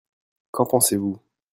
Qu'en pensez-vous ?